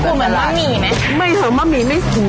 เหมือนมะหมี่ไหม